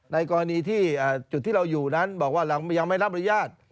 ในกรณีที่จุดที่เราอยู่นั้นบอกว่าเรายังไม่รับอนุญาต